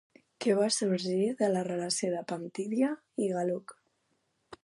Què va sorgir de la relació de Pantidia i Glauc?